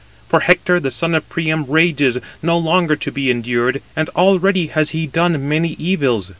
for Hector, the son of Priam, rages, no longer to be endured, and already has he done many evils."